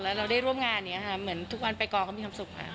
แล้วเราได้ร่วมงานนี้ค่ะเหมือนทุกวันไปกอเขามีความสุขค่ะ